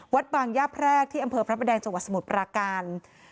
วัดบางย่าแพรกที่อำเภอพระประแดงจังหวัดสมุทรปราการ